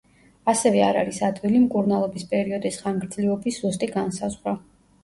ასევე არ არის ადვილი მკურნალობის პერიოდის ხანგრძლივობის ზუსტი განსაზღვრა.